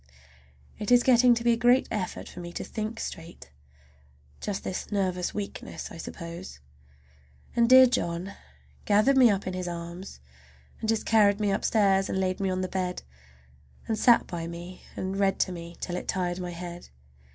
It is getting to be a great effort for me to think straight. Just this nervous weakness, I suppose. And dear John gathered me up in his arms, and just carried me upstairs and laid me on the bed, and sat by me and read to me till it tired my head.